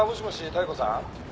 妙子さん。